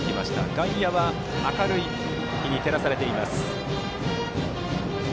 外野は明るい日に照らされています。